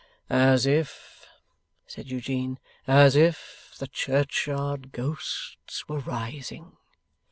'As if,' said Eugene, 'as if the churchyard ghosts were rising.